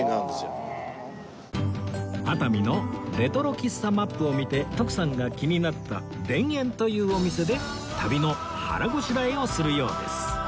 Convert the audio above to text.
熱海のレトロ喫茶マップを見て徳さんが気になった田園というお店で旅の腹ごしらえをするようです